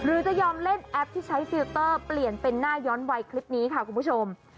จะยอมเล่นแอปที่ใช้ฟิลเตอร์เปลี่ยนเป็นหน้าย้อนวัยคลิปนี้ค่ะคุณผู้ชม